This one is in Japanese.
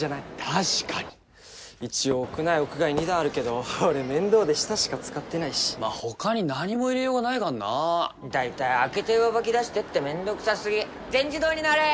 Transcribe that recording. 確かに一応屋内屋外２段あるけど俺面倒で下しか使ってないしまあほかに何も入れようがないかんな大体開けて上履き出してってめんどくさすぎ全自動になれ！